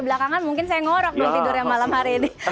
belakangan mungkin saya ngorok nih tidurnya malam hari ini